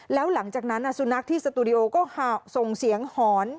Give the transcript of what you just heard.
แล้วหลังจากนั้นสุนัขที่สตูดิโอก็ส่งเสียงหอน